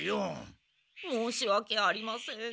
申しわけありません。